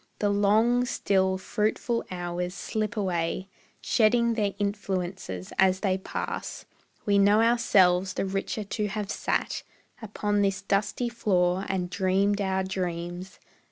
The long, still, fruitful hours slip away Shedding their influences as they pass; We know ourselves the richer to have sat Upon this dusty floor and dreamed our dreams.